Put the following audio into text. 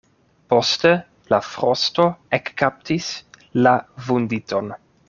Poste la frosto ekkaptis la vunditon.